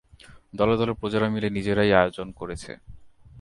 দলে দলে প্রজারা মিলে নিজেরাই আয়োজন করেছে।